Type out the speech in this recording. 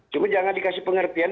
cuma jangan dikasih pengertian